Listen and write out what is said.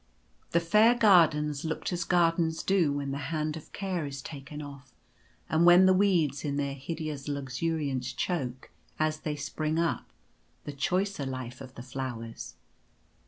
The fair gardens looked as gardens do when the hand of care is taken off, and when the weeds in their hideous luxuriance choke, as they spring up, the choicer life of the flowers.